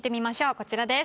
こちらです。